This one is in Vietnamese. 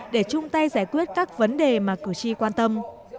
để chung tay giải quyết các vấn đề mà cử tri quan tâm